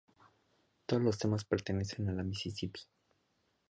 Todos los temas pertenecen a La Mississippi.